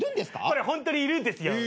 これホントにいるんですよ。